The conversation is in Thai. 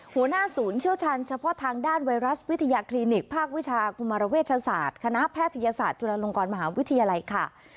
หัวหน้าศูนย์เชี่ยวชาญเฉพาะทางด้านไวรัสวิทยาคลินิกภาควิชากุมารเวชศาสตร์คณะแพทยศาสตร์จุฬาลงกรมหาวิทยาลัยค่ะ